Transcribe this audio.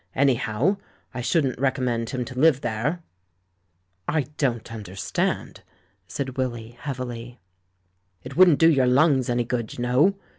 iVnyhow, I shouldn't recommend him to live there." "I don't understand," said Willy, heavily. "It wouldn't do your lungs any good, you know.